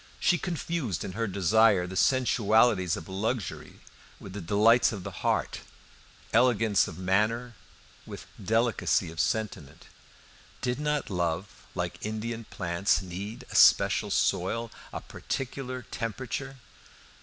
She confused in her desire the sensualities of luxury with the delights of the heart, elegance of manners with delicacy of sentiment. Did not love, like Indian plants, need a special soil, a particular temperature?